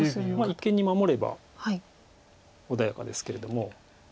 一間に守れば穏やかですけれども。